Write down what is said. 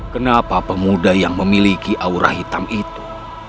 kenapa pemuda yang memiliki aura hitam itu